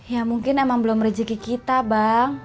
ya mungkin emang belum rezeki kita bang